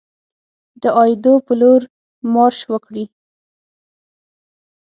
د ایدو په لور مارش وکړي.